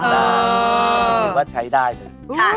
ถือว่าใช้ได้เลย